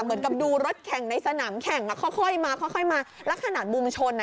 เหมือนกับดูรถแข่งในสนามแข่งอ่ะค่อยมาค่อยมาแล้วขนาดมุมชนอ่ะ